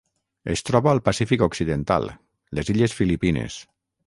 Es troba al Pacífic occidental: les illes Filipines.